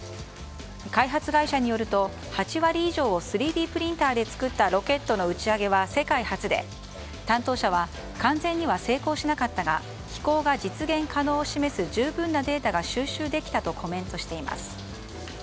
開発会社によると、８割以上を３Ｄプリンターで作ったロケットの打ち上げは世界初で担当者は完全には成功しなかったが飛行が実現可能を示す十分なデータが収集できたとコメントしています。